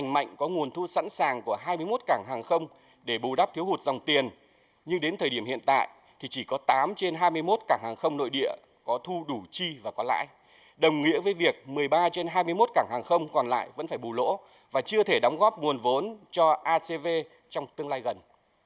mốt cảng hàng không còn lại vẫn phải bù lỗ và chưa thể đóng góp nguồn vốn cho acv trong tương lai gần